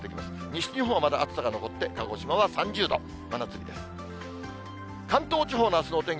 西日本はまだ暑さが残って、鹿児島は３０度、真夏日です。